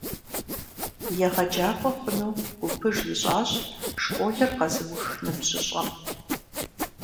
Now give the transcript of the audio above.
ЕгъэджакӀуэ хъуну гупыж ищӀащ школыр къэзыух ныбжьыщӀэм.